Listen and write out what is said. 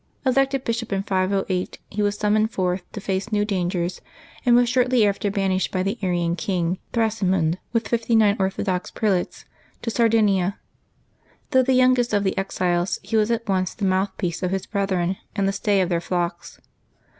Elected bishop in 508, he was summoned forth to face new dangers, and was shortly after banished by the Arian king. Thrasimund, with fifty nine orthodox prelates, to Sardinia. Though the youngest of the exiles, he was at once the mouthpiece of his brethren and the stay of their flocks.